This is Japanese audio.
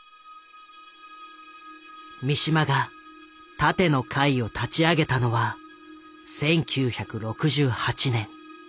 三島が「楯の会」を立ち上げたのは１９６８年。